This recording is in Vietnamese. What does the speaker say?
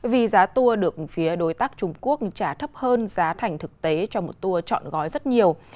vì giá tour được phía đối tác trung quốc trả thấp hơn giá thành thực tế cho một tour chọn gói rất nhiều